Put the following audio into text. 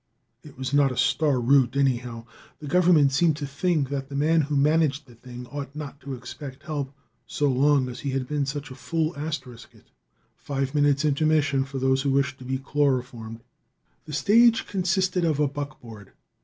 It was not a star route, anyhow. The government seemed to think that the man who managed the thing ought not to expect help so long as he had been such a fool asterisk it. (Five minutes intermission for those who wish to be chloroformed.) The stage consisted of a buckboard.